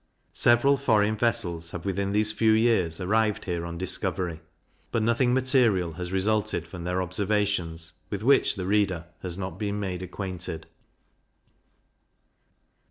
Several foreign vessels have within these few years arrived here on discovery; but nothing material has resulted from their observations, with which the reader has not been made acquainted.